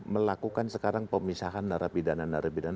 melakukan sekarang pemisahan narapidana